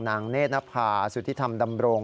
เนธนภาสุธิธรรมดำรง